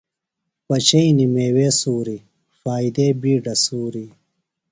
پچیئنیۡ میوے سُوری، فائدے بِیڈہ سُوری